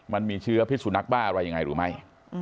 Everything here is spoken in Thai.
มันมีเชื้อพิสุดนักบ้าอะไรอย่างไรรู้ไหม